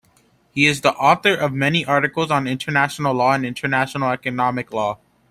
He is the author of many articles on International Law and International Economic Law.